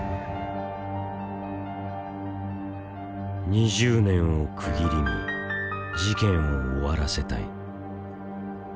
２０年を区切りに事件を終わらせたい。